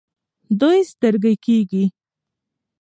دوی سترګۍ کیږي.